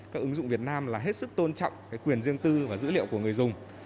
các ứng dụng việt nam là hết sức tôn trọng quyền riêng tư và dữ liệu của người dùng